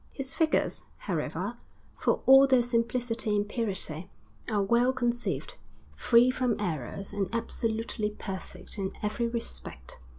His figures, however, for all their simplicity and purity, are well conceived, free from errors, and absolutely perfect in every respect.